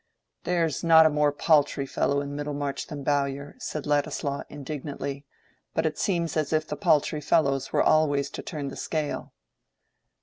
"There's not a more paltry fellow in Middlemarch than Bowyer," said Ladislaw, indignantly, "but it seems as if the paltry fellows were always to turn the scale."